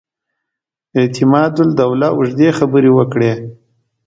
اعتماد الدوله اوږدې خبرې وکړې.